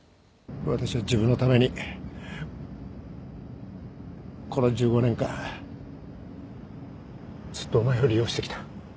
私は自分のためにこの１５年間ずっとお前を利用してきた